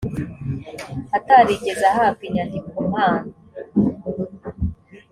atarigeze ahabwa inyandiko mpamo